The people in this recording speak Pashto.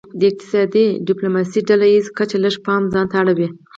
د اقتصادي ډیپلوماسي ډله ایزه کچه لږ پام ځانته اړوي